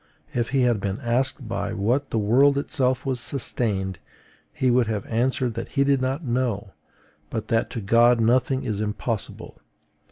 If he had been asked by what the world itself was sustained, he would have answered that he did not know, but that to God nothing is impossible.